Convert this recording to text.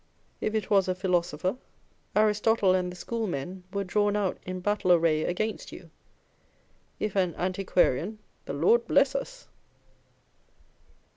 If it was a philosopher, Aristotle and the Schoolmen were drawn out in battle array against you : â€" if an antiquarian, the Lord bless us